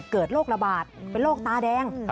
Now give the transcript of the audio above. โรคระบาดเป็นโรคตาแดง